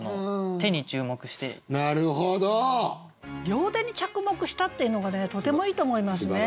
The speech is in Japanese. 両手に着目したっていうのがねとてもいいと思いますね。